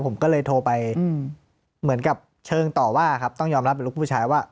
ผมก็เลยโทรไปเหมือนกับเชิงต่อว่าครับต้องยอมรับเป็นลูกผู้ชายว่า